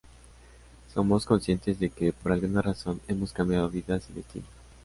Somos conscientes de que, por alguna razón, hemos cambiado vidas y destinos.